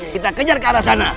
kita kejar ke arah sana